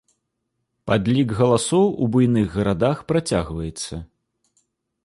Падлік галасоў у буйных гарадах працягваецца.